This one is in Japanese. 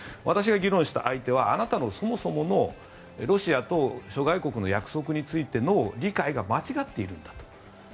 私が議論した相手はあなたのそもそものロシアと諸外国の約束についての理解が間違っているんだと。